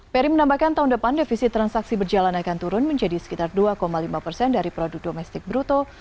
peri menambahkan tahun depan defisi transaksi berjalan akan turun menjadi sekitar dua lima persen dari produk domestik bruto